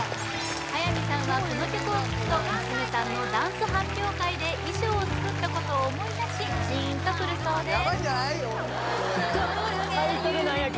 早見さんはこの曲を聴くと娘さんのダンス発表会で衣装を作ったことを思い出しジーンとくるそうです